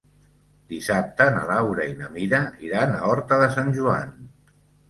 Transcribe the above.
Dissabte na Laura i na Mira iran a Horta de Sant Joan.